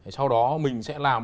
sau đó mình sẽ làm